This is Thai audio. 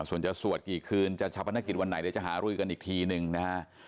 ส่วนจะสวดกี่คืนจะชาปนกิจวันไหนเดี๋ยวจะหารือกันอีกทีหนึ่งนะฮะ